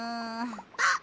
あっ！